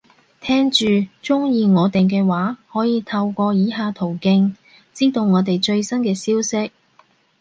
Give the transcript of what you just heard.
聽住，鍾意我哋嘅話，可以透過以下途徑，知道我哋最新嘅消息